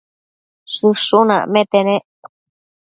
Shëshun acmete nec